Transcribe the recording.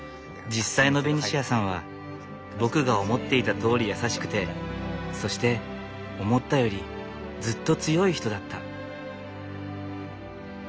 実際のベニシアさんは僕が思っていたとおり優しくてそして思ったよりずっと強い人だった。